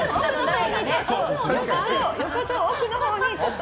横と奥のほうにちょっと。